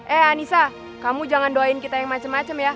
eh anissa kamu jangan doain kita yang macam macam ya